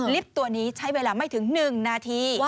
ตัวนี้ใช้เวลาไม่ถึง๑นาที